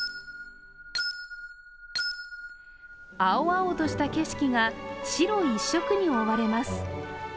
青々とした景色が白一色に覆われます。